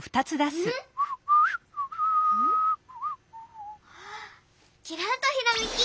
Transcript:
ん⁉きらんとひらめき！